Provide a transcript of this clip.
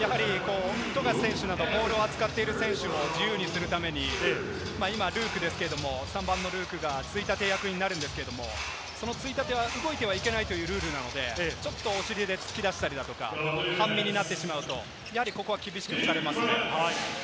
富樫選手のところ、ボールを扱っている選手を自由にするために、今ルークですけれども、３番のルークがついたて役になるんですけれども、ついたては動いてはいけないというルールなので、お尻で突き出したりとか、半身になってしまうと、ここは厳しく取られますね。